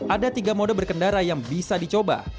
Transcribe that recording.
ada tiga mode berkendara yang bisa dicoba